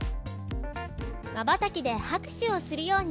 まばたきで拍手をするように、